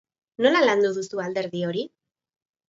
Nola landu duzu alderdi hori?